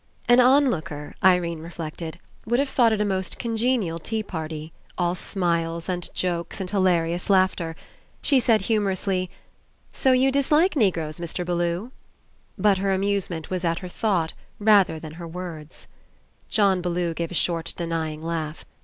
An on looker, Irene reflected, would have thought It a most congenial tea party, all smiles and jokes and hilarious laughter. She said humorously : ''So you dislike Negroes, Mr. Bellew?" But her amusement was at her thought, rather than her words. John Bellew gave a short denying laugh.